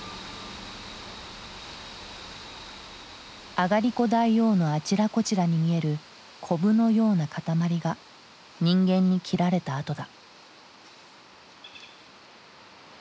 あがりこ大王のあちらこちらに見えるコブのような塊が人間に切られた跡だ。